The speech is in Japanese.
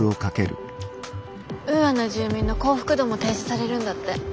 ウーアの住民の幸福度も提示されるんだって。